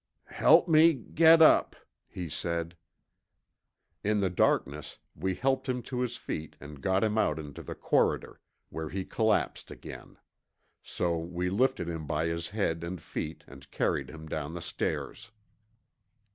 "Help me get up," he said. In the darkness we helped him to his feet and got him out into the corridor, where he collapsed again. So we lifted him by his head and feet and carried him down the stairs.